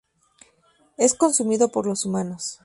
Es consumido por los humanos.